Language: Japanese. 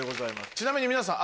ちなみに皆さん。